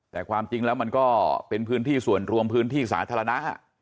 แต่ความจริงแล้วมันก็เป็นพื้นที่ส่วนรวมพื้นที่สาธารณะ